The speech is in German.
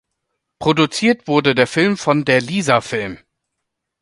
Produziert wurde der Film von der Lisa Film.